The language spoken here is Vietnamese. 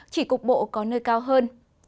chỉ cục bộ có nơi cao hơn